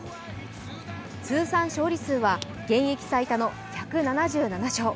通算勝利数は現役最多の１７７勝。